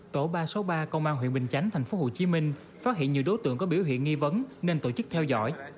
tổ ba trăm sáu mươi ba công an huyện bình chánh tp hcm phát hiện nhiều đối tượng có biểu hiện nghi vấn nên tổ chức theo dõi